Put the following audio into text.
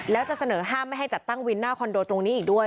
แล้วจะเสนอห้ามไม่ให้จัดตั้งวินหน้าคอนโดตรงนี้อีกด้วย